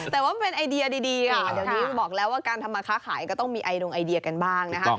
แต่ว่ามันเป็นไอเดียดีค่ะเดี๋ยวนี้บอกแล้วว่าการทำมาค้าขายก็ต้องมีไอดงไอเดียกันบ้างนะคะ